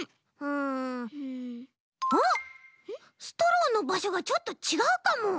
あっストローのばしょがちょっとちがうかも。